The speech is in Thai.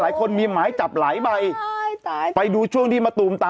แล้วก็ไม่มึงหลีกเรียกกูตลอดเวลา